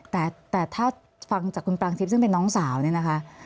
แต่ถ้าฟังจากคุณปรางทิพย์ซึ่งเป็นน้องสาวเนี่ยนะคะ